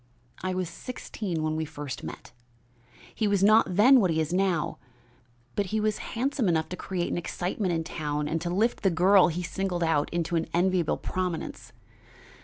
"I was sixteen when we first met. He was not then what he is now, but he was handsome enough to create an excitement in town and to lift the girl he singled out into an enviable prominence.